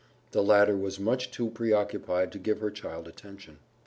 The latter was much too preoccupied to give her child attention.